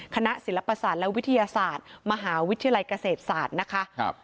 คณะศิลปศาสตร์และวิทยาศาสตร์มหาวิทยาลัยเกษตรศาสตร์นะคะ